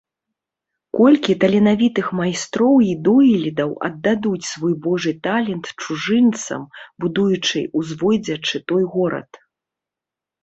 Колькі таленавітых майстроў і дойлідаў аддадуць свой Божы талент чужынцам, будуючы, узводзячы той горад!